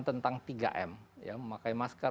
tentang tiga m memakai masker